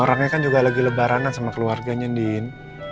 orangnya kan juga lagi lebaranan sama keluarganya diin